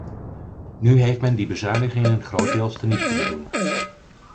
Nu heeft men die bezuinigingen grotendeels teniet kunnen doen.